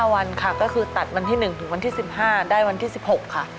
วันค่ะก็คือตัดวันที่๑ถึงวันที่๑๕ได้วันที่๑๖ค่ะ